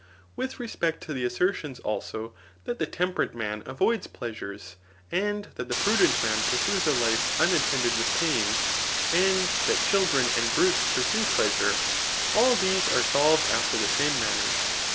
With respect to the assertions,^ also, that the temperate man avdds pleasures, and that the prudent man pursues a life unattended with pain, and that children and brutes pursue pleasure — all these are solved after the same manner.